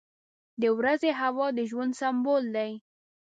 • د ورځې هوا د ژوند سمبول دی.